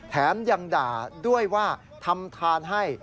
แถมยังด่าด้วยว่าทำทานให้